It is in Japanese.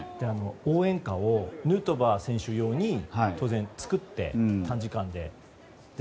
応援歌をヌートバー選手用に当然短時間で作って。